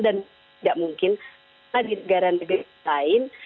dan tidak mungkin di negara negara lain